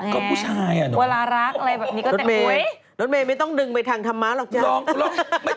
ก็คงไม่ได้รักไง